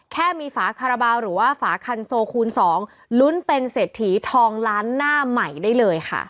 แค่มีฝาคาราบาลหรือว่าฝาคันโซคูณ๒ลุ้นเป็นเศรษฐีทองล้านหน้าใหม่ได้เลยค่ะ